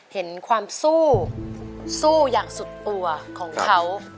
เห็นความสู้สู้อย่างสุดตัวของเขา